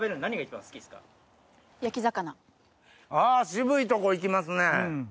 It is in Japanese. あ渋いとこ行きますね。